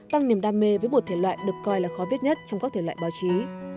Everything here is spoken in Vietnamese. tăng niềm đam mê với một thể loại được coi là khó viết nhất trong các thể loại báo chí